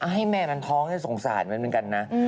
ให้แม่มันท้องให้สงสารมันเหมือนกันนะ